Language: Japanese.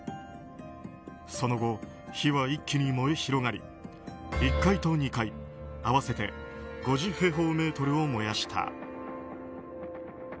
その後、火は一気に燃え広がり１階と２階、合わせて５０平方メートルを燃やした。